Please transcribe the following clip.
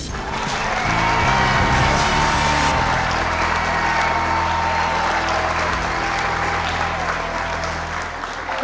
ขอบคุณครับ